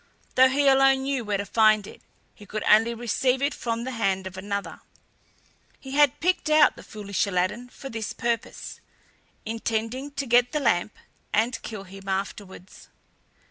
Though he alone knew where to find it, he could only receive it from the hand of another. He had picked out the foolish Aladdin for this purpose, intending to get the lamp and kill him afterwards.